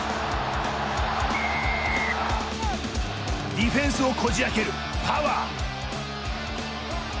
ディフェンスをこじ開けるパワー。